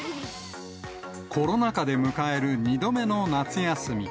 コロナ禍で迎える２度目の夏休み。